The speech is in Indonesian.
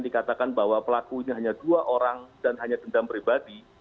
dikatakan bahwa pelaku ini hanya dua orang dan hanya dendam pribadi